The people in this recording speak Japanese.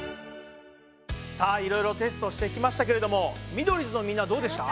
さあいろいろテストしてきましたけれどもミドリーズのみんなはどうでした？